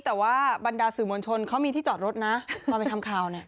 แต่ว่าบรรดาสื่อมวลชนเขามีที่จอดรถนะตอนไปทำข่าวเนี่ย